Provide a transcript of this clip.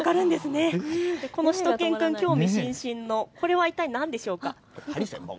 このしゅと犬くん、興味津々のこれは一体何でしょうか。